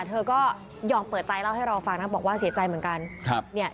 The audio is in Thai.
เธอก็ยอมเปิดใจเล่าให้เราฟังนะบอกว่าเสียใจเหมือนกัน